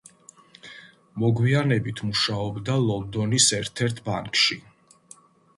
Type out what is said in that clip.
მოგვიანებით მუშაობდა ლონდონის ერთ-ერთ ბანკში.